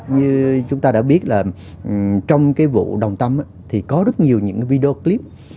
như chúng ta đã biết là trong cái vụ đồng tâm thì có rất nhiều những cái video clip